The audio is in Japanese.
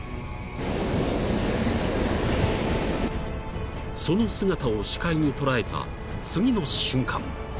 ［その姿を視界に捉えた次の瞬間］